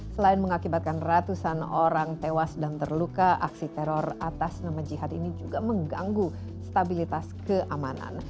selain mengakibatkan ratusan orang tewas dan terluka aksi teror atas nama jihad ini juga mengganggu stabilitas keamanan